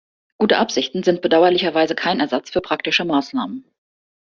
Gute Absichten sind bedauerlicherweise kein Ersatz für praktische Maßnahmen.